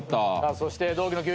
そして同期の休日。